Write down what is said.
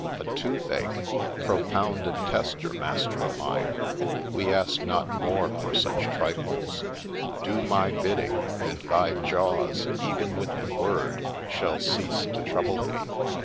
A toothache !— propound a tester, master o' mine — we ask not more for such trifles : do my bidding, and thy jaws, even with the word, shall cease to trouble thee